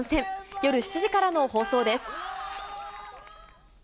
夜７時からの放送です。